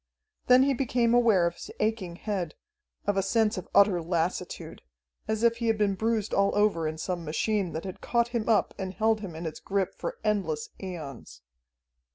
Then he became aware of his aching head, of a sense of utter lassitude, as if he had been bruised all over in some machine that had caught him up and held him in its grip for endless aeons.